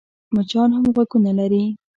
مچان هم غوږونه لري .